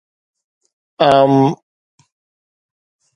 عام